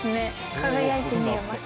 輝いて見えます。